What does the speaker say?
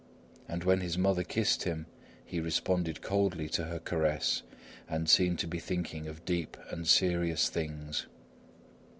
And when his mother kissed him, he responded coldly to her caress and seemed to be thinking of deep and serious things.